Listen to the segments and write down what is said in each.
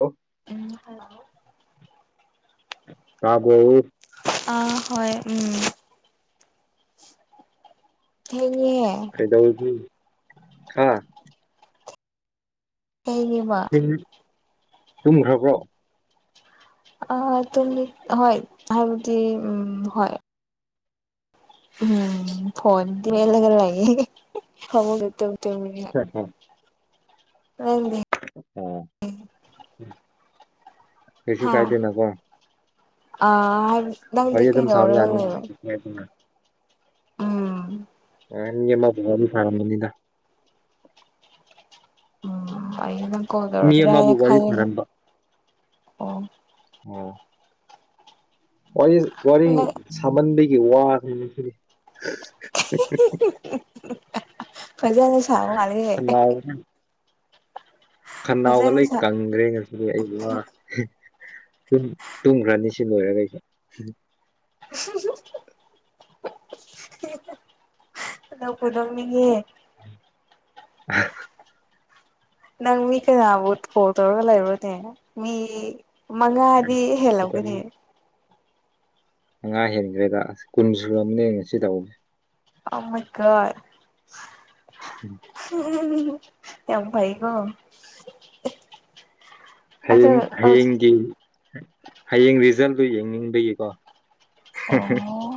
ꯑꯣ꯫ ꯎꯝ ꯍꯜꯂꯣ꯫ ꯇꯥꯕ꯭ꯔꫭ꯫ ꯑꯥ ꯍꯣꯏ ꯎꯝ꯫ ꯊꯦꯡꯉꯦ ꯀꯩꯗꯧꯔꯨꯗꯣꯏ [unintelligible] ꯍꯥ꯫ ꯀꯩꯒꯤ ꯋꯥ꯫ ꯇꯨꯝꯈ꯭ꯔꯕ꯭ꯔꯣ꯫ ꯑ ꯇꯨꯝꯃꯤ ꯍꯣꯏ ꯍꯥꯏꯕꯗꯤ ꯎꯝ ꯍꯣꯏ꯫ ꯎꯝ ꯐꯣꯟ ꯃꯦꯠꯂꯒ ꯂꯩꯌꯦ ꯐꯥꯃꯨꯡꯗ ꯇꯨꯝ ꯇꯨꯝꯂꯒ꯫ ꯅꯪꯗꯤ꯫ ꯑꯣ ꯀꯩꯁꯨ ꯍꯥ ꯀꯥꯏꯗꯦꯅ ꯀꯣ꯫ ꯑ ꯍꯥꯏꯕꯁꯤ ꯅꯪꯗꯤ ꯋꯥꯔꯤ ꯑꯗꯨꯝ ꯁꯥꯕ ꯌꯥꯅꯤ [unintelligible] [inaudible] ꯎꯝ꯫ ꯑ ꯃꯤ [unintelligible] ꯑꯃ ꯒꯨꯃꯕꯅꯤ ꯁꯥꯔꯝꯃꯅꯤꯗ꯫ ꯎꯝ ꯑꯩ ꯅꯪ ꯀꯣꯜ ꯃꯤ ꯇꯧꯔꯛꯀꯗꯔꯥ ꯑꯃꯕꯨ ꯍꯥꯏꯅ ꯋꯥꯔꯤ ꯈꯜꯂꯤ ꯁꯥꯔꯝꯕ ꯑꯣ꯫ ꯑꯣ꯫ ꯋꯥꯔꯤ ꯋꯥꯔꯤ ꯅꯪ ꯁꯥꯃꯟꯕꯤꯒꯤ ꯋꯥꯔꯦ ꯉꯥꯁꯤꯗꯤ꯫ ꯐꯖꯅ ꯁꯥꯕ ꯃꯥꯜꯂꯦꯍꯦ꯫ [unintelligible] ꯈꯅꯥꯎꯒ ꯐꯖꯅ ꯂꯣꯏ ꯁꯥ ꯀꯪꯈ꯭ꯔꯦ ꯉꯁꯤꯗꯤ ꯑꯩ ꯋꯔꯦ꯫ ꯇꯨꯝ ꯇꯨꯝꯈ꯭ꯔꯅꯤ ꯁꯤ ꯂꯣꯏꯔꯒ ꯑꯩꯁꯨ꯫ ꯅꯣꯛꯄꯨ ꯅꯣꯛꯅꯤꯡꯉꯤꯍꯦ꯫ [unintelligible] ꯅꯪ ꯃꯤ ꯀꯌꯕꯨ ꯀꯣꯜ ꯇꯧꯔꯒ ꯂꯦꯕꯔꯣꯅꯦ ꯃꯤ ꯃꯉꯥꯗꯤ ꯍꯦꯜꯂꯝꯒꯅꯤ꯫ ꯁꯤꯗꯅꯤ ꯃꯉꯥ ꯍꯦꯟꯈ꯭ꯔꯦꯗ ꯑꯁ ꯀꯨꯟ ꯁꯨꯔꯝꯃꯅꯤ ꯑꯩꯅ ꯉꯁꯤ ꯇꯧꯕꯁꯤ꯫ ꯑꯣ ꯃꯥꯏ ꯒꯣꯠ꯫ ꯌꯥꯝ ꯐꯩꯌꯦꯀꯣ꯫ ꯍꯌꯦꯡ ꯍꯌꯦꯡꯒꯤ ꯍꯌꯦꯡ ꯔꯤꯖꯜꯗꯨ ꯌꯦꯡꯅꯤꯡꯕꯒꯤꯀꯣ [unintelligible] ꯑꯣ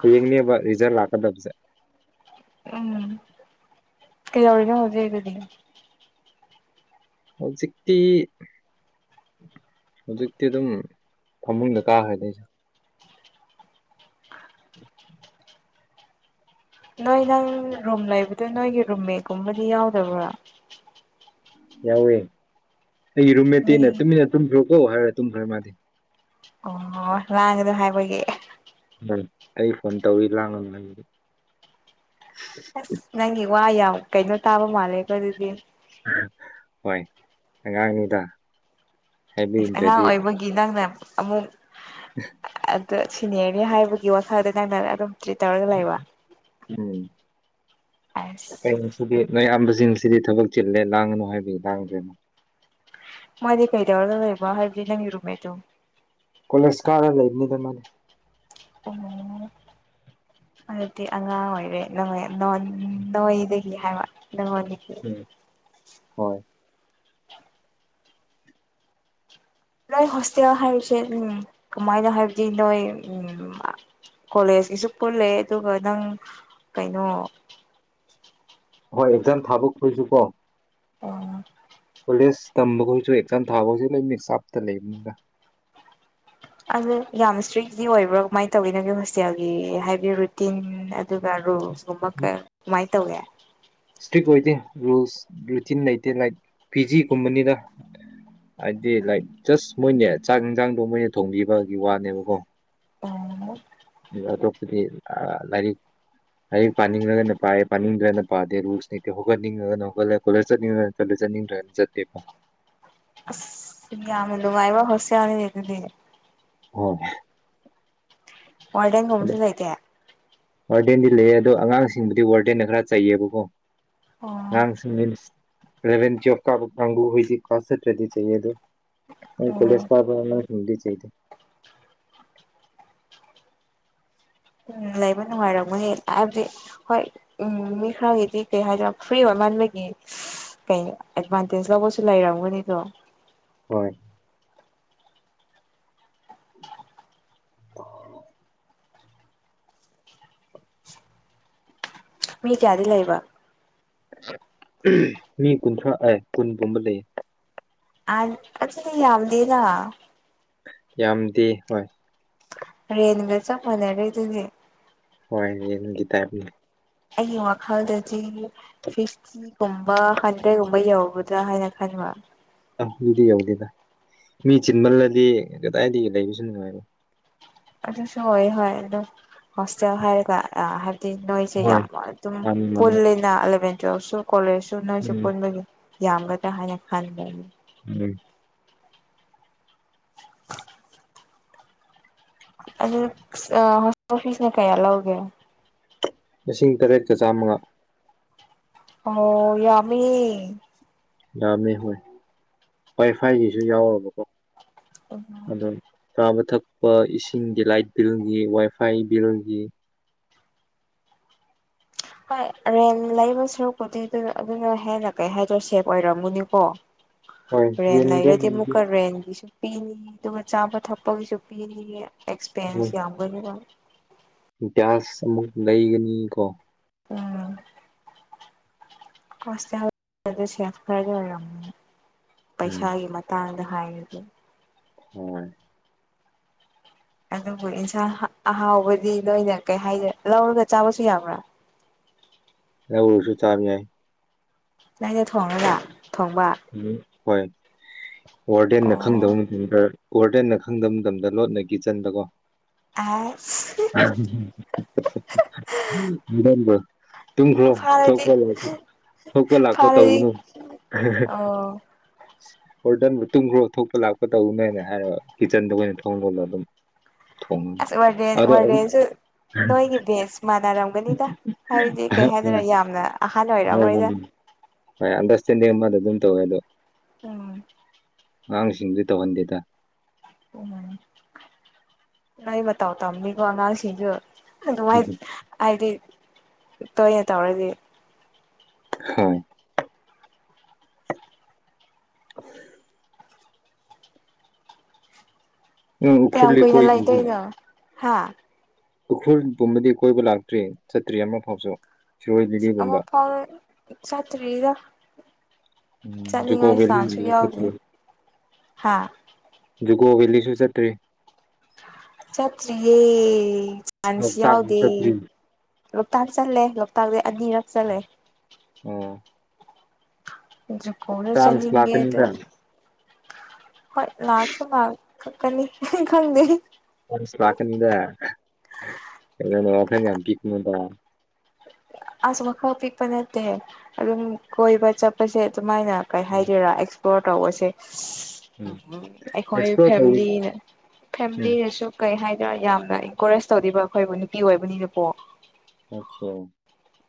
ꯍꯌꯦꯡꯅꯦꯕ ꯔꯤꯖꯜ ꯂꯥꯛꯀꯗꯕꯁꯦ ꯎꯝ ꯀꯩꯗꯧꯔꯤꯅꯣ ꯍꯧꯖꯤꯛ ꯑꯗꯨꯗꯤ ꯍꯧꯖꯤꯛꯇꯤ ꯍꯧꯖꯤꯛꯇꯤ ꯑꯗꯨꯝ ꯐꯃꯨꯡꯗ ꯀꯥꯈ꯭ꯔꯦꯗꯩꯁꯦ [inaudible] ꯅꯣꯏ ꯅꯪ ꯔꯨꯝ ꯂꯩꯕꯗꯣ ꯅꯣꯏꯒꯤ ꯔꯨꯝꯃꯦꯠꯀꯨꯝꯕꯗꯤ ꯌꯥꯎꯗꯕ꯭ꯔꯥ ꯌꯥꯎꯋꯦ ꯑꯩꯒꯤ ꯃꯤ ꯔꯨꯝꯃꯦꯠꯇꯤꯅ ꯇꯨꯃꯤꯟꯅ ꯇꯨꯝꯈ꯭ꯔꯣꯀꯣ ꯍꯥꯏꯔ ꯇꯨꯝꯈ꯭ꯔꯦ ꯃꯥꯗꯤ ꯑꯣ ꯂꯥꯡꯒꯅꯨ ꯍꯥꯏꯕꯒꯤ ꯎꯝ ꯑꯩ ꯐꯣꯟ ꯇꯧꯋꯤ ꯂꯥꯡꯒꯅꯨ ꯍꯥꯏꯕꯒꯤ꯫ ꯑꯁ ꯅꯪꯒꯤ ꯋꯥ ꯌꯥꯝ ꯀꯩꯅꯣ ꯇꯥꯕ ꯃꯥꯜꯂꯦꯀꯣ ꯑꯗꯨꯗꯤ꯫ ꯍꯣꯏ ꯑꯉꯥꯡꯅꯤꯗꯥ ꯑꯉꯥꯡ ꯑꯣꯏꯕꯒꯤ ꯅꯪꯅ ꯑꯃꯨꯛ [unintelligible] ꯑꯗꯨ ꯁꯤꯅꯤꯌ‌꯭ꯔꯅꯤ ꯍꯥꯏꯕꯒꯤ ꯋꯥꯈꯜꯗ ꯅꯪꯅ ꯑꯗꯨꯝ ꯇ꯭ꯔꯤꯠ ꯇꯧꯔꯒ ꯂꯩꯕ ꯎꯝ ꯑꯁ [unintelligible] ꯁꯤꯗꯤ ꯅꯌꯥꯝꯕꯁꯤꯡꯁꯤꯗꯤ ꯊꯕꯛ ꯆꯤꯜꯂꯦ ꯂꯥꯡꯉꯒꯅꯨ ꯍꯥꯏꯕꯒꯤ ꯂꯥꯡꯗ꯭ꯔꯦꯅ‌ꯦ ꯃꯗꯤ ꯀꯩꯗꯧꯔꯒ ꯂ‌ꯩꯕ ꯍꯥꯏꯜꯗꯤ ꯅꯪꯒꯤ ꯔꯨꯝꯃꯦꯠꯇꯣ ꯀꯣꯂꯦꯁꯀꯥꯔ ꯂꯩꯕꯅꯤꯗ ꯃꯥꯅꯦ [unintelligible] ꯑꯗꯨꯗꯤ ꯑꯉꯥꯡ ꯑꯣꯏꯔꯦ ꯅꯪꯂꯩ ꯅꯣꯟ ꯅ‌ꯣꯏꯗꯒꯤ ꯍꯥꯏꯕ ꯅꯪꯉꯣꯟꯗꯒꯤ ꯍꯣꯏ ꯅꯣꯏ ꯍꯣꯁꯇꯦꯜ ꯍꯥꯏꯕꯁꯦ ꯎꯝ ꯀꯃꯥꯏꯅ ꯍꯥꯏꯕꯗꯤ ꯅꯣꯏ ꯎꯝ ꯀꯣꯂꯦꯖꯀꯤꯁꯨ ꯄꯨꯜꯂꯦ ꯑꯗꯨꯒ ꯅꯪ ꯀꯩꯅꯣ ꯍꯣꯏ ꯑꯦꯛꯖꯥꯝ ꯊꯥꯕꯛꯈꯣꯏꯁꯨ ꯀꯣ ꯑꯣ ꯀꯣꯂꯦꯖ ꯇꯝꯕꯒꯣꯏꯁꯨ ꯑꯦꯛꯖꯥꯝ ꯊꯥꯕ ꯍꯧꯖꯤꯛ ꯂꯣꯏ ꯃꯤꯛꯁꯆꯞꯇ ꯂꯩꯕꯅꯤꯗ ꯑꯗꯨ ꯌꯥꯝ ꯏꯁꯇ꯭ꯔꯤꯛꯗꯤ ꯑꯣꯏꯕ꯭ꯔꯣ ꯀꯃꯥꯏ ꯇꯧꯋꯤ ꯅꯪꯒꯤ ꯍꯣꯁꯇꯦꯜꯒꯤ ꯍꯥꯏꯕꯗꯤ ꯔꯨꯇꯤꯟ ꯑꯗꯨꯒ ꯔꯨꯜꯁ ꯀꯨꯝꯕ ꯀ꯭ꯔ ꯀꯃꯥꯏ ꯇꯧꯒꯦ ꯏꯁꯇ꯭ꯔꯤꯛ ꯑꯣꯏꯗꯦ ꯔꯨꯜꯁ ꯔꯨꯇꯤꯟ ꯂꯩꯇꯦ ꯅꯥꯏꯛ ꯄꯤꯖꯤꯒꯨꯝꯕꯅꯤꯗ ꯍꯥꯏꯗꯤ ꯂꯥꯏꯛ ꯖꯁ ꯃꯣꯏꯅꯦ ꯆꯥꯛ ꯏꯟꯖꯥꯡꯗꯣ ꯃꯣꯏꯅ ꯊꯣꯡꯕꯤꯕꯒꯤ ꯋꯥꯅꯦꯕꯀꯣ ꯑꯣ ꯑꯇꯣꯞꯄꯗꯤ ꯑ ꯂꯥꯏꯔꯤꯛ ꯂꯥꯏꯔꯤꯛ ꯄꯥꯅꯤꯡꯉꯒꯅ ꯄꯥꯏꯌꯦ ꯄꯥꯅꯤꯡꯗ꯭ꯔꯒꯅ ꯄꯥꯗꯦ ꯔꯨꯜꯁ ꯅꯤꯇꯦꯕꯀꯣ ꯅꯤꯡꯉꯒꯅ ꯍꯧꯒꯠꯂ ꯀꯣꯂꯦꯖ ꯆꯠꯅꯤꯡꯉꯒꯅ ꯆꯠꯂꯦ ꯆꯠꯅꯤꯡꯗ꯭ꯔꯅ ꯆꯠꯇꯦꯀꯣ ꯁꯤꯡ ꯌꯥꯝꯅ ꯅꯨꯡꯉꯥꯏꯕ ꯍꯣꯁꯇꯦꯜꯅꯤꯅꯦ ꯑꯗꯨꯗꯤ ꯍꯣꯏ ꯑꯗꯣ ꯋꯥꯔꯗꯦꯟꯒꯨꯝꯕꯁꯨ ꯂꯩꯇꯦ ꯋꯥꯔꯗꯦꯟꯗꯤ ꯂꯩꯌꯦ ꯑꯗꯣ ꯑꯉꯥꯡꯁꯤꯡꯕꯨꯗꯤ ꯋꯥꯔꯗꯦꯟꯅ ꯈꯔ ꯆꯩꯩꯌꯦꯕꯀꯣ ꯎꯝ ꯑꯉꯥꯡ ꯁꯤꯡꯕꯦꯟꯅꯤꯁ ꯏꯂꯕꯦꯟ ꯇ꯭ꯌꯨꯋꯦꯞ ꯀꯥꯕ ꯀꯥꯡꯕꯨ ꯍꯣꯏꯗꯤ ꯀꯥꯁ ꯆꯠꯇ꯭ꯔꯗꯤ ꯆꯩꯌꯦ ꯑꯗꯣ ꯑꯩ ꯀꯣꯂꯦꯖ ꯀꯥꯕ ꯑꯉꯥꯡꯁꯤꯡꯗꯤ ꯆꯩꯗꯦ ꯑꯩꯕ ꯅꯨꯡꯉꯥꯏꯔꯝꯒꯅꯤ ꯑꯥꯏꯕꯗꯤ ꯍꯣꯏ ꯎꯝ ꯃꯤ ꯈꯔꯒꯤꯗꯤ ꯀꯩ ꯍꯥꯏꯖꯤꯔ ꯐ꯭ꯔꯤ ꯑꯣꯏꯃꯟꯕꯒꯤ ꯀꯩ ꯑꯦꯠꯚꯥꯟꯇꯦꯖ ꯂꯧꯕꯁꯨ ꯂꯩꯔꯝꯒꯅꯤꯗꯣ ꯍꯣꯏ [unintelligible] ꯃꯤ ꯀꯌꯥꯗꯤ ꯂꯩꯕ ꯃꯤ ꯀꯨꯟꯊ꯭ꯔꯥ ꯑꯦ ꯀꯨꯟ ꯀꯨꯝꯕ ꯂꯩꯌꯦ ꯑ ꯑꯗꯨꯗ ꯌꯥꯝꯗꯦꯗ ꯌꯥꯝꯗꯦ ꯍꯣꯏ ꯔꯦꯟꯒ ꯆꯞ ꯃꯅꯔꯦ ꯑꯗꯨꯗꯤ ꯍꯣꯏ ꯔꯦꯟꯒꯤ ꯇꯥꯏꯞꯅꯦ ꯑꯩꯒꯤ ꯋꯥꯈꯜꯗꯗꯤ ꯐꯤꯁ ꯐꯤꯄꯨꯝꯕ ꯍꯟꯗ꯭ꯔꯦꯒꯨꯝꯕ ꯌꯧꯒꯗ꯭ꯔꯥ ꯍꯥꯏꯅ ꯈꯟꯕ ꯑꯗꯨꯗꯤ ꯌꯧꯗꯦꯗ ꯃꯤ ꯆꯤꯟꯃꯜꯂꯗꯤ ꯀꯗꯥꯏꯗꯒꯤ ꯂꯩꯕꯁꯨ ꯅꯨꯡꯉꯥꯏꯔꯣꯏ ꯑꯗꯨꯁꯣ ꯑꯣꯏꯌꯦ ꯍꯣꯏ ꯑꯗꯨꯝ ꯍꯣꯁꯇꯦꯟ ꯍꯥꯏꯔꯒ ꯑ ꯅꯣꯏꯁꯦ ꯍꯣꯏ ꯌꯥꯝ ꯑꯗꯨꯝ ꯃꯥꯅꯤ ꯃꯥꯅꯤ ꯄꯨꯜꯂꯦꯅ ꯑꯂꯚꯦꯟ ꯇꯨꯋꯦꯜꯞꯁꯨ ꯀꯣꯂꯦꯖꯁꯨ ꯅꯣꯏꯁꯨ ꯎꯝ ꯄꯨꯟꯕꯒꯤ ꯌꯥꯝꯒꯗ꯭ꯔꯥ ꯍꯥꯏꯅ ꯈꯟꯕ ꯎꯝ ꯑꯗꯨ ꯑꯥꯁ ꯑꯃꯥ ꯍꯣꯁꯇꯦꯜ ꯐꯤꯁꯦ ꯀꯌꯥ ꯂꯧꯒꯦ ꯂꯤꯁꯤꯡ ꯇꯔꯦꯠꯀ ꯆꯥꯝꯃꯉꯥ ꯑꯣ ꯌꯥꯃꯦꯍꯦ ꯥꯌꯥꯝꯃꯦ ꯍꯣꯏ ꯋꯥꯏꯐꯥꯏꯒꯤꯁꯨ ꯌꯥꯎꯔꯕꯀꯣ ꯑꯗꯨ ꯆꯥꯕ ꯊꯛꯄ ꯏꯁꯤꯡꯒꯤ ꯂꯥꯏꯠ ꯕꯤꯜꯒꯤ ꯋꯥꯏꯐꯥꯏ ꯕꯤꯜꯒꯤ ꯍꯣꯏ ꯔꯦꯟ ꯂꯩꯕ ꯁꯔꯨꯛꯄꯨꯗꯤ ꯑꯗꯨ ꯑꯗꯨꯅ ꯍꯦꯟꯅ ꯀꯩ ꯍꯥꯏꯗꯣ ꯁꯦꯞ ꯑꯣꯏꯔꯝꯃꯨꯅꯤꯀꯣ ꯍꯣꯏ ꯔꯦꯟ ꯔꯦꯟꯗ ꯂꯩꯕꯗꯤ ꯂꯩꯔꯗꯤꯃꯨꯛꯀ ꯔꯦꯟꯒꯤꯁꯨ ꯄꯤꯅꯤ ꯑꯗꯨꯒ ꯆꯥꯕ ꯊꯛꯄꯒꯤꯁꯨ ꯄꯤꯅꯤ ꯑꯦꯛꯁꯄꯦꯟꯁ ꯌꯥꯝꯒꯅꯤꯕ ꯒꯌ꯭ꯥꯁ ꯑꯃꯨꯛ ꯂꯩꯒꯅꯤ ꯀꯣ ꯎꯝ ꯍꯣꯁꯇꯦꯜ ꯗꯗꯤ ꯁꯦꯞ ꯈꯔꯗꯤ ꯑꯣꯏꯔꯝꯒꯅꯤ ꯎꯝ ꯄꯩꯁꯥꯒꯤ ꯃꯇꯥꯡꯗ ꯍꯥꯏꯔꯗꯤ ꯍꯣꯏ ꯑꯗꯨꯕꯨ ꯏꯟꯁꯥꯡ ꯑꯍꯥꯎꯕꯗꯤ ꯂꯣꯏꯅ ꯀꯩ ꯍꯥꯏꯗꯣꯏꯔ ꯂꯧꯔꯒ ꯆꯥꯕꯁꯨ ꯌꯥꯕ꯭ꯔꯥ ꯂꯧꯔꯁꯨ ꯆꯥꯕ ꯌꯥꯏ ꯂꯥꯏꯗ ꯊꯣꯡꯔꯒ ꯊꯣꯡꯕ ꯎꯝ ꯍꯣꯏ ꯋꯥꯔꯗꯦꯟꯅ ꯑꯣ ꯈꯪꯗꯕ ꯃꯇꯝꯗ ꯋꯥꯔꯗꯦꯟꯅ ꯈꯪꯗꯕ ꯃꯇꯝꯗ ꯂꯣꯠꯅ ꯀꯤꯆꯟꯗꯀꯣ ꯑꯁ [unintelligible] ꯇꯨꯝꯒ꯭ꯔꯣ ꯊꯣꯛꯄ ꯐꯥꯔꯗꯤ ꯂꯣꯏꯔꯗꯤ ꯊꯣꯛꯄ ꯂꯥꯛꯄ ꯐꯥꯔꯗꯤ ꯇꯧꯒꯅꯨ ꯑꯣ [inaudible] ꯋꯥꯔꯗꯦꯟꯕꯨ ꯇꯨꯝꯒ꯭ꯔꯣ ꯊꯣꯛꯄ ꯂꯥꯛꯄ ꯇꯧꯅꯦꯅ ꯍꯥꯏꯔ ꯀꯤꯠꯆꯟꯗꯅ ꯊꯣꯡ ꯂꯣꯜꯂ ꯑꯗꯨꯝ ꯊꯣꯡ ꯑꯁ ꯋꯔꯗꯦꯟ ꯑꯗꯣ ꯑꯗꯨꯝ ꯋꯔꯗꯦꯟꯁꯨ ꯅꯣꯏꯒꯤ ꯕꯦꯁ ꯃꯥꯟꯅꯔꯝꯒꯅꯤꯗ ꯍꯥꯏꯕꯗꯤ ꯀꯩ ꯍꯥꯏꯗꯣꯏꯔꯣ ꯌꯥꯝꯅ ꯑꯍꯟ ꯑꯣꯏꯔꯝꯔꯣꯏꯗ [unintelligible] ꯃꯌꯥꯝꯗꯣ [unintelligible] ꯑꯃꯗ ꯑꯗꯨꯝ ꯇꯧꯋꯦ ꯑꯗꯣ ꯎꯝ ꯑꯉꯥꯡꯁꯤꯡꯗꯤ ꯇꯧꯍꯟꯗꯦꯗ ꯅꯣꯏ ꯃꯇꯧ ꯇꯝꯅꯤꯀꯣ ꯑꯉꯥꯡꯁꯤꯡꯁꯨ ꯑꯗꯨꯃꯥꯏ ꯍꯥꯏꯗꯤ ꯇꯣꯏꯅ ꯇꯧꯔꯗꯤ ꯍꯣꯏ [inaudible] ꯎꯝ ꯀꯌꯥꯝ ꯎꯈ꯭ꯔꯨꯜꯗꯤ ꯀꯨꯏꯅ ꯀꯣꯏ ꯂꯩꯗꯣꯏꯅꯣ ꯍꯥ ꯎꯈ꯭ꯔꯨꯜ ꯄꯨꯝꯕꯗꯤ ꯀꯣꯏꯕ ꯂꯥꯛꯇ꯭ꯔꯤ ꯆꯠꯇ꯭ꯔꯤ ꯑꯃꯨꯛꯐꯥꯎꯁꯨ ꯑꯃꯛꯐꯥꯎꯕ ꯆꯥꯠꯇ꯭ꯔꯤꯗ ꯖꯨꯀꯣ ꯆꯠꯂꯤꯉꯥꯏ ꯚꯦꯂꯤ ꯆꯟꯁꯁꯨ ꯌꯥꯎꯗꯦꯗ ꯍꯥꯥ ꯖꯨꯀꯣ ꯕꯦꯂꯤꯁꯨꯨ ꯁꯠꯇꯔꯤ ꯆꯇ꯭ꯔꯤꯌꯦ ꯆꯟꯁ ꯂꯣꯛꯇꯥꯛ ꯌꯥꯎꯗꯦ ꯆꯠꯇ꯭ꯔꯤ ꯂꯣꯛꯇꯥꯛ ꯆꯠꯂꯦ ꯂꯣꯛꯇꯥꯛꯗꯤ ꯑꯅꯤꯔꯛ ꯆꯜꯂꯦ ꯑꯣ ꯖꯨꯀꯣꯗ ꯆꯥꯟꯁ ꯆꯠꯅꯤꯉꯦ ꯑꯗꯨ ꯂꯥꯛꯀꯅꯤꯗ ꯍꯣꯏ ꯂꯥꯛꯁꯨ ꯂꯥꯛꯀꯛꯀꯅꯤ ꯈꯪꯗꯦ ꯂꯥꯛꯀꯅꯤꯗ ꯋꯥꯈꯜ ꯌꯥꯝ ꯄꯤꯛꯅꯨꯗ ꯑꯁ ꯋꯥꯈꯜ ꯄꯤꯛꯄ ꯅꯠꯇꯦ ꯑꯗꯨꯝ ꯀꯣꯏꯕ ꯆꯄ ꯄꯁꯦ ꯑꯗꯨꯃꯥꯏꯅ ꯀꯩ ꯍꯥꯏꯗꯣꯏꯔꯥ ꯑꯦꯛꯁꯄ꯭ꯂꯣꯔ ꯇꯧꯕꯁꯦ ꯎꯝ ꯑꯩꯈꯣꯏ ꯑꯦꯛꯁꯄ꯭ꯂꯣꯔ ꯇꯧ ꯐꯦꯝꯂꯤꯅ ꯎꯝ ꯐꯦꯝꯂꯤꯅꯁꯨ ꯀꯩ ꯍꯥꯏꯗꯔꯥ ꯌꯥꯝꯅ ꯏꯟꯀꯣꯔꯦꯖ ꯇꯧꯔꯤꯕ ꯑꯩꯈꯣꯏꯕꯨ ꯅꯨꯄꯤ ꯑꯣꯏꯕꯅꯤꯅꯀꯣ [unintelligible]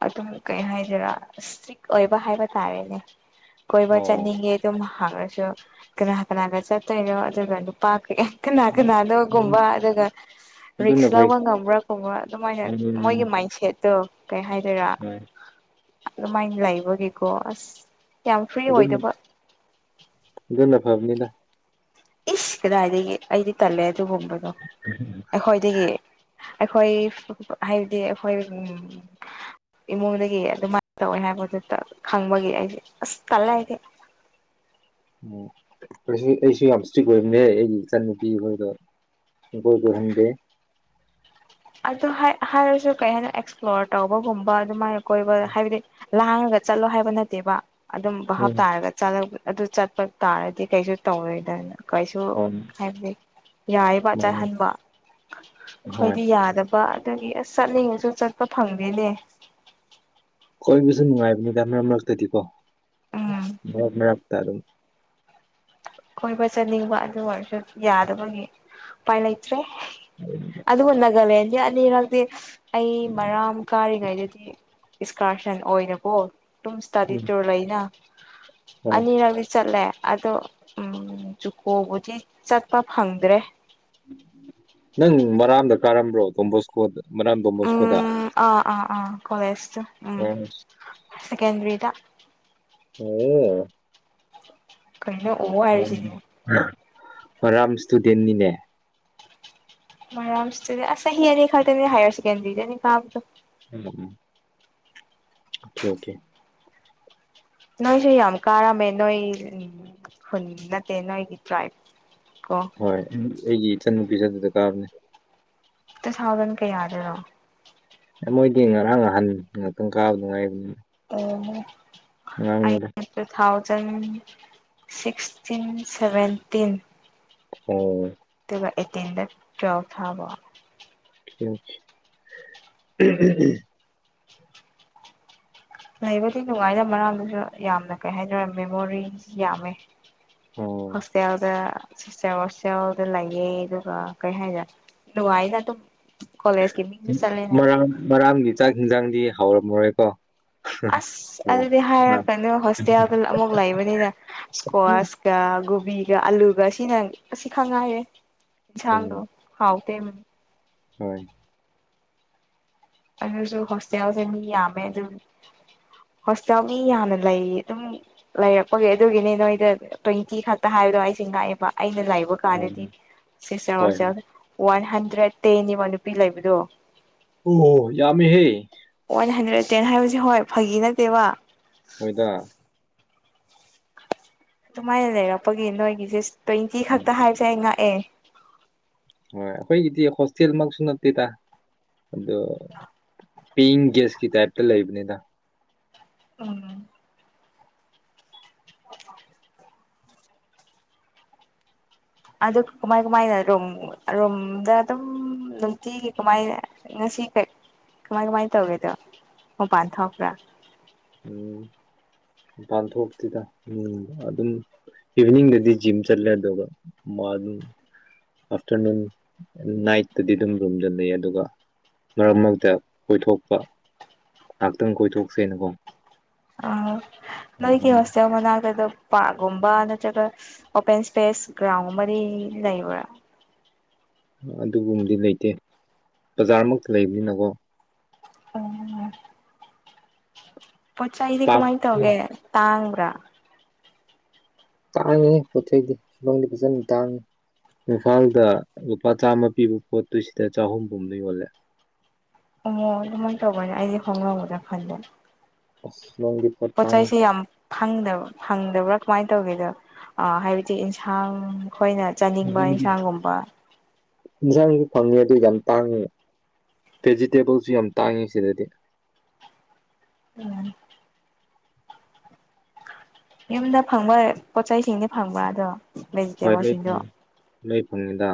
ꯑꯗꯨꯝ ꯀꯩ ꯍꯥꯏꯗꯣꯏꯔꯥ ꯏꯁꯇ꯭ꯔꯤꯛ ꯑꯣꯏꯕ ꯍꯥꯏꯕ ꯇꯥꯔꯦꯅꯦ ꯀꯣꯏꯕ ꯑꯣ ꯆꯠꯅꯤꯡꯉꯦ ꯑꯗꯨꯝ ꯍꯥꯏꯔꯁꯨ ꯀꯅꯥ ꯀꯅꯥꯒ ꯆꯠꯇꯣꯏꯅꯣ ꯑꯗꯨꯒ ꯅꯨꯄꯥ ꯀꯌꯥ ꯀꯅꯥ ꯀꯅꯥꯅꯣꯒꯨꯝꯕ ꯑꯗꯨꯒ ꯑꯗꯨꯅ ꯔꯤꯛꯁ ꯐꯩ ꯂꯧꯕ ꯉꯝꯕ꯭ꯔꯥ ꯈꯨꯝꯕ꯭ꯔꯥ ꯑꯗꯨꯃꯥꯏꯅ ꯃꯣꯏꯒꯤ ꯃꯥꯏꯟꯁꯦꯠꯇꯣ ꯀꯩ ꯍꯥꯏꯗꯣꯏꯔꯥ ꯎꯝ ꯑꯗꯨꯃꯥꯏꯅ ꯂꯩꯕꯒꯤꯀꯣ ꯑꯁ ꯌꯥꯝ ꯐ꯭ꯔꯤ ꯑꯣꯏꯗꯕ ꯑꯗꯨꯅ ꯐꯕꯅꯤꯗ ꯏꯁ ꯀꯗꯥꯏꯗꯒꯤ ꯑꯩꯗꯤ ꯇꯜꯂꯦ ꯑꯗꯨꯒꯨꯝꯕꯗꯣ [inaudible] ꯑꯩꯈꯣꯏꯗꯒꯤ ꯑꯩꯈꯣꯏ ꯍꯥꯏꯕꯗꯤ ꯑꯩꯈꯣꯏ ꯏꯃꯨꯡꯗꯒꯤ ꯑꯗꯨꯃꯥꯏꯅ ꯇꯧꯋꯦ ꯍꯥꯏꯕꯗꯨꯗ ꯈꯪꯕꯒꯤ ꯑꯩꯁꯦ ꯑꯁ ꯇꯜꯂꯁꯦ ꯎꯝ ꯑꯩꯁꯨ ꯑꯩꯁꯨ ꯌꯥꯝ ꯏꯁꯇ꯭ꯔꯤꯛ ꯑꯣꯏꯝꯅꯦ ꯑꯩꯒꯤ ꯏꯆꯟꯅꯨꯄꯤ ꯈꯣꯏꯗꯣ ꯒꯣꯏꯗꯨ ꯍꯟꯗꯦ ꯑꯗꯨ ꯍꯥꯏꯔꯁꯨ ꯀꯩ ꯍꯥꯏꯅ ꯑꯦꯛꯁꯄ꯭ꯂꯣꯔ ꯇꯧꯕꯒꯨꯝꯕ ꯑꯗꯨꯃꯥꯏꯅ ꯀꯣꯏꯕ ꯍꯥꯏꯕꯗꯤ ꯂꯥꯡꯉꯒ ꯆꯠꯂꯣ ꯍꯥꯏꯕ ꯅꯠꯇꯦꯕ ꯑꯗꯨꯝ ꯎꯝ ꯚꯞꯇꯥꯥꯔꯒꯂ ꯑꯗꯨ ꯆꯠꯄ ꯇꯥꯔꯗꯤ ꯀꯩꯁꯨ ꯇꯧꯔꯣꯏꯗꯅ ꯀꯩꯁꯨ ꯍꯣꯏ ꯍꯥꯏꯕꯗꯤ ꯌꯥꯔꯤꯕ ꯃꯥꯅꯤ ꯆꯠꯍꯟꯕ ꯍꯣꯏ ꯑꯩꯈꯣꯏꯗꯤ ꯌꯥꯗꯕ ꯑꯗꯒꯤ ꯑꯁ ꯆꯠꯅꯤꯡꯉꯁꯨ ꯆꯠꯄ ꯐꯪꯗꯦꯅꯦ ꯀꯣꯏꯕꯁꯨ ꯅꯨꯡꯉꯥꯏꯕꯅꯤꯗ ꯃꯔꯛ ꯃꯔꯛꯇꯗꯤꯀꯣ ꯎꯝ ꯃꯔꯛ ꯃꯔꯛꯇ ꯑꯗꯨꯝ ꯀꯣꯏꯕ ꯆꯠꯅꯤꯡꯕ ꯑꯗꯨ ꯑꯣꯏꯔꯁꯨ ꯌꯥꯗꯕꯒꯤ ꯎꯄꯥꯏ ꯂꯩꯇ꯭ꯔꯦ [inaudible] ꯑꯗꯨꯕꯨ ꯅꯥꯒꯥꯂꯦꯟꯒꯤ ꯑꯅꯤꯔꯛꯇꯤ ꯑꯩ ꯃꯔꯥꯝ ꯀꯥꯔꯤꯉꯩꯗꯗꯤ ꯏꯁꯀꯥꯔꯁꯟ ꯑꯣꯏꯅꯀꯣ ꯑꯗꯨꯝ ꯏꯁꯇꯥꯗꯤꯔ ꯎꯝ ꯇꯨꯔ ꯂꯩꯅ ꯍꯣꯏ ꯑꯅꯤꯔꯛꯗꯤ ꯆꯠꯂꯦ ꯑꯗꯣ ꯖꯨꯀꯣꯕꯨꯗꯤ ꯆꯠꯄ ꯐꯪꯗ꯭ꯔꯦ ꯅꯪ ꯃꯔꯥꯝꯗ ꯀꯥꯔꯝꯕ꯭ꯔꯣ ꯇꯣꯝꯕꯣꯁ ꯀꯣꯗ ꯃꯔꯥꯝꯗꯣ ꯎꯝ ꯑꯥ ꯑꯥ ꯑꯥ ꯀꯣꯂꯦꯖ ꯇ ꯎꯝ ꯑꯣ ꯁꯦꯀꯦꯟꯗꯔꯤꯗ ꯑꯣꯌꯣ ꯀꯩꯅꯣ ꯑꯣ ꯃꯥꯅꯤ. ꯍꯥꯏꯔꯤꯁꯤꯑꯣ ꯃꯔꯥꯝ ꯁ꯭ꯇꯨꯗꯦꯟꯅꯤꯅꯦ ꯃꯔꯥꯝ ꯏꯁꯇꯨꯗꯦ ꯑꯁ ꯆꯍꯤ ꯑꯅꯤ ꯈꯛꯇꯅꯤ ꯍꯥꯏꯌꯔ ꯁꯦꯀꯦꯟꯗ꯭ꯔꯤꯗꯅꯤ ꯀꯥꯕꯗꯣ ꯎꯝ ꯎꯝ ꯈꯦ ꯑꯣꯈꯦ ꯅꯣꯏ ꯁꯤ ꯌꯥꯝ ꯀꯥꯔꯃꯦ ꯅꯣꯏ ꯎꯝ ꯍꯨꯟ ꯅꯠꯇꯦ ꯅꯣꯏꯒꯤ ꯇ꯭ꯔꯥꯏꯞ ꯀꯣ ꯍꯣꯏ ꯎꯝ ꯑꯩꯒꯤ ꯏꯆꯟꯅꯨꯄꯤꯁꯨ ꯑꯗꯨꯗ ꯀꯥꯕꯅꯦ ꯇꯨ ꯊꯥꯎꯖꯟ ꯀꯌꯥ ꯗꯔꯣ ꯑꯦ ꯃꯣꯏꯗꯤ ꯉꯔꯥꯡ ꯉꯍꯥꯟ ꯉꯥꯛꯇꯪ ꯀꯥꯕꯗꯨ ꯉꯥꯏꯕꯅꯤ ꯑꯣꯍꯣ ꯑꯉꯥꯡ ꯅꯤꯗ ꯇꯨ ꯊꯥꯎꯖꯟ ꯁꯤꯛꯁꯇꯤꯟ ꯁꯚꯦꯟꯇꯤꯟ ꯑꯣ ꯑꯗꯨꯒ ꯑꯦꯇꯤꯟꯗ ꯇꯨꯌꯦꯜꯕ ꯊꯥꯕ ꯀꯦ ꯑꯣꯈꯦ ꯂꯩꯕꯨꯗꯤ ꯅꯨꯡꯉꯥꯏꯅ ꯃꯔꯥꯝꯗꯨꯁꯨ ꯌꯥꯝꯅ ꯀꯩ ꯍꯥꯏꯇꯥꯔꯦ ꯃꯦꯃꯣꯔꯤ ꯌꯥꯝꯃꯦ ꯑꯣ ꯍꯣꯁꯇꯦꯜꯗ ꯁꯤꯁꯇꯔ ꯍꯣꯇꯦꯜꯗ ꯂꯩꯌꯦ ꯑꯗꯨꯒ ꯀꯩ ꯍꯥꯏꯔ ꯅꯨꯡꯉꯥꯏꯅ ꯑꯗꯨꯝ ꯀꯣꯂꯦꯖꯀꯤ ꯃꯤꯡꯗ ꯆꯠꯂꯦꯅ ꯃꯔꯥꯝ ꯃꯔꯥꯝꯒꯤ ꯆꯥꯛ ꯏꯟꯖꯥꯡꯗꯤ ꯍꯥꯎꯔꯝꯃꯔꯣꯏꯀꯣ ꯑꯁ ꯑꯗꯨꯗꯤ ꯍꯥꯏꯔꯛꯀꯅꯨ ꯍꯣꯁꯇꯦꯜꯗ ꯑꯃꯨꯛ ꯂꯩꯕꯅꯤꯅ ꯏꯁꯀ꯭ꯋꯥꯁ__ ꯒꯥ ꯒꯣꯕꯤꯒ ꯑꯂꯨꯒ ꯁꯤꯅ ꯑꯁꯤꯈꯛ ꯉꯥꯏꯌꯦ ꯏꯁꯥꯡꯗꯣ ꯎꯝ ꯍꯥꯎ ꯇꯦꯝ ꯍꯣꯏ ꯑꯗꯨꯁꯨ ꯍꯣꯁꯇꯦꯜꯁꯦ ꯃꯤ ꯌꯥꯝꯃꯦ ꯑꯗꯨꯝ ꯍꯣꯁꯇꯦꯜ ꯃꯤ ꯌꯥꯝꯅ ꯂꯩ ꯑꯗꯨꯝ ꯂꯩꯔꯛꯄꯒꯤ ꯑꯗꯨꯒꯤꯅꯦ ꯅꯣꯏꯗ ꯇ꯭ꯋꯦꯟꯇꯤ ꯈꯛꯇ ꯍꯥꯏꯕꯗꯣ ꯑꯩꯁꯦ ꯉꯥꯛꯑꯦꯕ ꯑꯩꯅ ꯂꯩꯕ ꯍꯣꯏ ꯀꯥꯟꯗꯗꯤ ꯁꯤꯁꯇꯔ ꯍꯣꯏ ꯍꯣꯁꯦꯜ ꯋꯥꯟ ꯍꯟꯗ꯭ꯔꯦꯠ ꯇꯦꯟꯅꯦꯕ ꯅꯨꯄꯤ ꯂꯩꯕꯗꯣ ꯑꯣ ꯌꯥꯃꯤ ꯍꯦ ꯋꯥꯟ ꯍꯟꯗ꯭ꯔꯦꯗ ꯇꯦꯟ ꯍꯥꯏꯕꯁꯦ ꯍꯣꯏ ꯐꯥꯒꯤ ꯅꯠꯇꯦꯕ ꯍꯣꯏꯗ ꯑꯗꯨꯃꯥꯏꯅ ꯂꯩꯔꯛꯄꯒꯤ ꯅꯣꯏꯒꯤꯁꯦꯁ ꯇ꯭ꯋꯦꯟꯇꯤ ꯎꯝ ꯈꯛꯇ ꯍꯣꯏ ꯍꯥꯏꯕꯁꯦ ꯑꯩ ꯉꯛꯑꯦ ꯍꯣꯏ ꯑꯩꯈꯣꯏꯒꯤꯗꯤ ꯍꯣꯁꯇꯦꯜꯃꯛꯁꯨ ꯅꯠꯇꯦꯗ ꯑꯗꯣ ꯄꯤꯏꯡ ꯒꯦꯁꯀꯤ ꯇꯥꯏꯞꯇ ꯂꯩꯕꯅꯤꯗ ꯎꯝ [unintelligible] ꯑꯗꯨ ꯀꯨꯃꯥꯏ ꯀꯨꯃꯥꯏꯅ ꯔꯨꯝ ꯔꯨꯝꯗ ꯑꯗꯨꯝ ꯅꯨꯡꯇꯤꯒꯤ ꯀꯃꯥꯏꯅ ꯉꯁꯤ ꯀꯩ ꯀꯃꯥꯏ ꯀꯃꯥꯏꯅ ꯇꯧꯒꯦꯗꯣ ꯃꯄꯥꯟ ꯊꯣꯛꯄ꯭ꯔꯥ ꯎꯝ ꯃꯄꯥꯟ ꯊꯣꯛꯇꯦꯗ ꯏꯃꯨꯡꯗ ꯑꯗꯨꯝ ꯏꯚꯤꯅꯤꯡꯗꯗꯤ ꯖꯤꯝ ꯆꯠꯂꯦ ꯑꯗꯨꯒ ꯃꯥꯅꯨ ꯑꯥꯐꯇꯔꯅꯨꯟ ꯅꯥꯏꯠꯇꯗꯤ ꯑꯗꯨꯝ ꯔꯨꯝꯗ ꯂꯩ ꯑꯗꯨꯒ ꯃꯔꯛ ꯃꯔꯛꯇ ꯀꯣꯏꯊꯣꯛꯄ ꯉꯥꯛꯍꯥꯛꯇꯪ ꯀꯣꯏꯊꯣꯛꯁꯦꯅꯀꯣ ꯑꯣ ꯅꯣꯏꯒꯤ ꯍꯣꯁꯇꯦꯜ ꯃꯅꯥꯛꯇ ꯑꯗꯨꯝ ꯄꯥꯛꯒꯨꯝꯕ ꯅꯠꯇ꯭ꯔꯒ ꯑꯣꯄꯦꯟ ꯁꯄꯦꯁ ꯒ꯭ꯔꯥꯎꯟꯒꯨꯝꯕꯗꯤ ꯂꯩꯕ꯭ꯔꯥ ꯑꯗꯨꯒꯨꯝꯕꯗꯤ ꯂꯩꯇꯦ ꯕꯖꯥꯔꯃꯛꯇ ꯂꯩꯕꯅꯤꯅꯀꯣ [unintelligible] ꯄꯣꯠ ꯆꯩꯗꯤ ꯄꯥꯛ ꯀꯃꯥꯏꯅ ꯇꯧꯔꯒꯦ ꯇꯥꯡꯕ꯭ꯔꯥ ꯇꯥꯡꯉꯤꯍꯦ ꯄꯣꯠ ꯆꯩꯗꯤ ꯁꯤꯂꯣꯡꯗꯤ ꯐꯖꯅ ꯇꯥꯡꯏ ꯏꯝꯐꯥꯜꯗ ꯂꯨꯄꯥ ꯆꯥꯝꯃ ꯄꯤꯕ ꯄꯣꯠꯇꯨ ꯁꯤꯗ ꯆꯍꯨꯝꯒꯨꯝꯕꯗ ꯌꯣꯜꯂꯦ [unintelligible] ꯑꯗꯨꯃꯥꯏꯅ ꯇꯧꯕꯅꯦ ꯑꯩꯗꯤ ꯈꯣꯡꯒ꯭ꯔꯥꯎ ꯃꯆꯥ ꯈꯟꯕꯅꯦ ꯑꯁ ꯅꯪꯗꯤ ꯄꯣꯠ ꯆꯩꯁꯦ ꯌꯥꯝ ꯐꯪꯗꯕ꯭ꯔꯥ ꯐꯪꯗꯕ꯭ꯔꯥ ꯀꯃꯥꯏꯅ ꯇꯧꯒꯦꯗꯣ ꯍꯥꯏꯕꯗꯤ ꯌꯦꯟꯁꯥꯡ ꯈꯣꯏꯅ ꯆꯥꯅꯤꯡꯕ ꯏꯟꯁꯥꯡꯒꯨꯝꯕ ꯏꯟꯖꯥꯡꯗꯤ ꯐꯪꯉꯦ ꯑꯗꯨ ꯌꯥꯝ ꯇꯥꯡꯉꯦ ꯚꯦꯖꯤꯇꯦꯕꯜꯁꯨ ꯌꯥꯝ ꯇꯥꯡꯉꯦ ꯁꯤꯗꯗꯤ ꯎꯝ ꯌꯨꯝꯗ ꯐꯪꯕ ꯄꯣꯠ ꯆꯩꯁꯤꯡꯗꯤ ꯐꯪꯕ꯭ꯔꯥ ꯑꯗꯣ ꯍꯣꯏ ꯂꯣꯏ ꯚꯦꯖꯤꯇꯦꯕꯜꯁꯤꯡꯗꯣ ꯐꯪꯉꯤ ꯂꯣꯏ ꯐꯪꯉꯤꯗ